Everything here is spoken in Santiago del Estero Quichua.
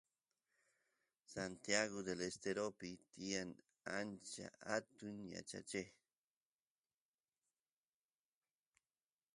Santiagu Del Esteropi tiyan achka atun yachacheq